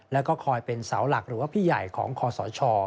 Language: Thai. แล้วก็คอยเป็นเสาหลักหรือว่าพี่ใหญ่ของคอสช